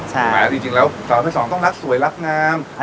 แม้จริงแล้วสาวที่สองต้องรักสวยรักงาม